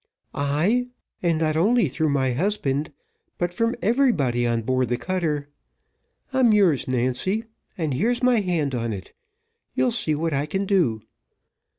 "Ay, and not only through my husband, but from everybody on board the cutter. I'm yours, Nancy and here's my hand on it you'll see what I can do.